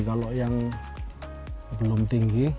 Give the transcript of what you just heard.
kalau yang belum tinggi